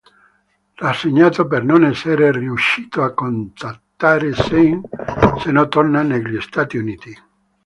Rassegnato per non essere riuscito a contattare Sean, se ne torna negli Stati Uniti.